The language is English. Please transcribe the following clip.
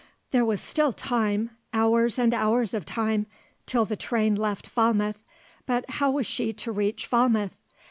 There was still time hours and hours of time till the train left Falmouth; but how was she to reach Falmouth?